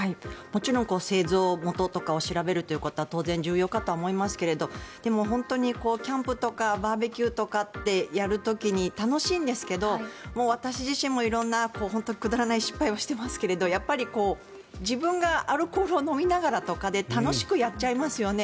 もちろん製造元とかを調べるということは当然重要かとは思いますがでも、本当にキャンプとかバーベキューとかってやる時に楽しいんですけど私自身も色んなくだらない失敗をしてますがやっぱり自分がアルコールを飲みながらとかで楽しくやっちゃいますよね。